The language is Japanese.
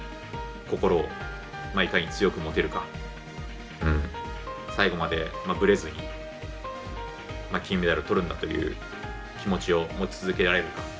心を、いかに強く持てるか最後まで、ぶれずに金メダル取るんだっていう気持ちを持ち続けられるか